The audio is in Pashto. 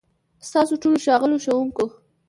ستاسو ټولو، ښاغليو ښوونکو،